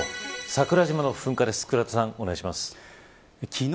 桜島の噴火です。